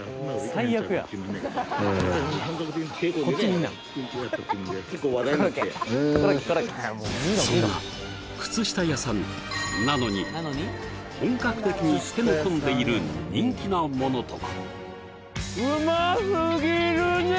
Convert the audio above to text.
はいそんな靴下屋さんなのに本格的に手の込んでいる人気なものとは？